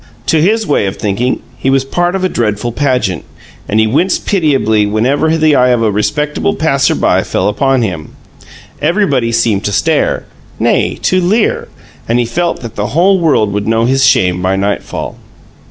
To his way of thinking, he was part of a dreadful pageant, and he winced pitiably whenever the eye of a respectable passer by fell upon him. Everybody seemed to stare nay, to leer! And he felt that the whole world would know his shame by nightfall.